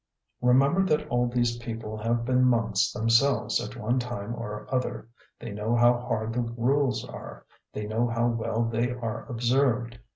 Remember that all these people have been monks themselves at one time or other; they know how hard the rules are, they know how well they are observed.